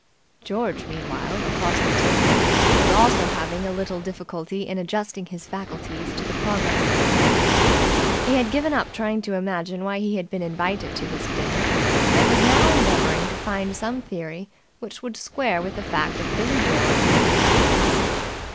George, meanwhile, across the table, was also having a little difficulty in adjusting his faculties to the progress of events. He had given up trying to imagine why he had been invited to this dinner, and was now endeavouring to find some theory which would square with the fact of Billie Dore being at the castle.